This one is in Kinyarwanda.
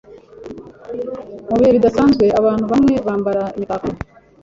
Mu bihe bidasanzwe, abantu bamwe bambara imitako.